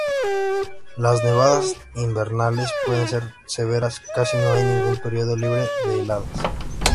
Las nevadas invernales pueden ser severas; casi no hay ningún período libre de heladas.